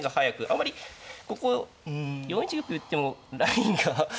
あんまりここ４一玉寄ってもラインが。